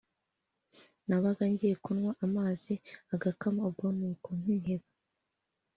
Nabaga ngiye kunywa amazi agakama ubwo nuko nkiheba